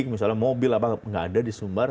misalnya mobil apa nggak ada di sumbar